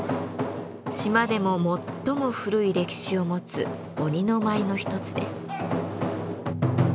島でも最も古い歴史を持つ鬼の舞の一つです。